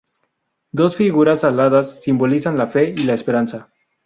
Dos figuras aladas simbolizan la Fe y la Esperanza.